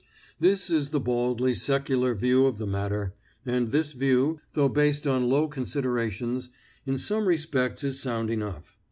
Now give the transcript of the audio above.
This is the baldly secular view of the matter, and this view, though based on low considerations, in some respects is sound enough.